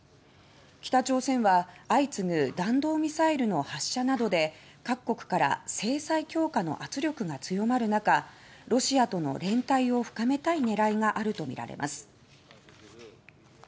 北朝鮮は相次ぐ弾道ミサイルの発射などで各国から制裁強化の圧力が強まる中ロシアとの連帯を深めたい狙いがあるとみられます。